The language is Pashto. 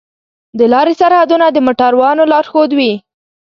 د لارې سرحدونه د موټروانو لارښود وي.